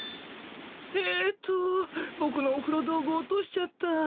えっとボクのおふろ道具落としちゃった。